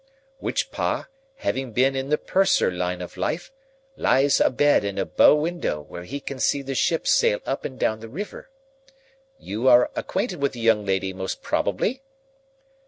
Which Pa, having been in the Purser line of life, lies a bed in a bow window where he can see the ships sail up and down the river. You are acquainted with the young lady, most probably?"